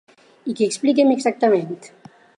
I què expliquem, exactament?